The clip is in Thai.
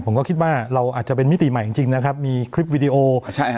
ผมก็คิดว่าเราอาจจะเป็นมิติใหม่จริงจริงนะครับมีคลิปวิดีโอใช่ฮะ